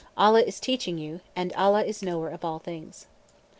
Allah is teaching you. And Allah is knower of all things.